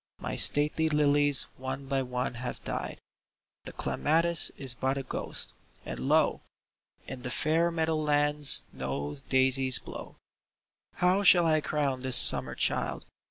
My stately lilies one by one have died : The clematis is but a ghost — and lo ! In the fair meadow lands no daisies blow ; How shall I crown this Summer child